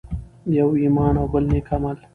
يو ایمان او بل نیک عمل.